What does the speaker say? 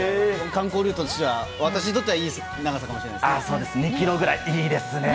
観光ルートは私にとってはいい長さかもしれないですね。